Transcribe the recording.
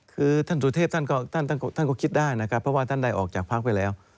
คือท่านสุเทพท่านก็คิดได้นะครับเพราะว่าท่านได้ออกจากพักไปแล้ว